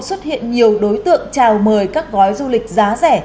xuất hiện nhiều đối tượng chào mời các gói du lịch giá rẻ